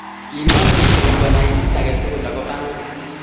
Ki machei Tom konai kit age tugul akopo ane